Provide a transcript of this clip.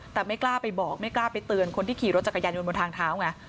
แต่ไม่กล้าไปบอกไม่กล้าไปเตือนคนที่ขี่รถจักรยานยนต์บนทางเท้าไง